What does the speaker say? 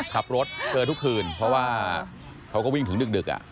ขับรถเจอทุกคืนเพราะว่าเขาก็วิ่งถึงดึก